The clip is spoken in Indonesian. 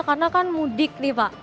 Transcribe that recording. karena kan mudik nih pak